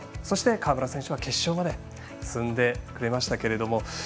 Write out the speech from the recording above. そして、川村選手は決勝まで進んでくれましたけども。